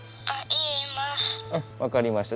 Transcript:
あ分かりました。